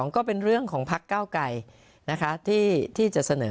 ก็เป็นเรื่องของพักเก้าไกรที่จะเสนอ